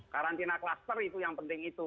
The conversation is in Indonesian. karantina kluster itu yang penting itu